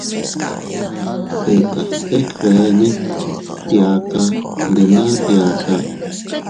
Dekas teg beene, tiaka, ndena tiaka.